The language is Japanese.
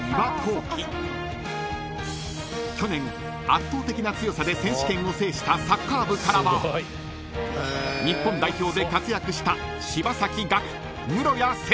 ［去年圧倒的な強さで選手権を制したサッカー部からは日本代表で活躍した］